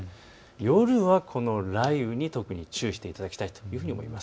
夜はこの雷雨に特に注意していただきたいと思います。